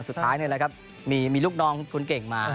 สุดท้ายนี่แหละครับมีลูกน้องคนเก่งมา